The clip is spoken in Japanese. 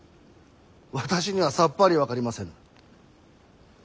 私にはさっぱり分かりませぬ。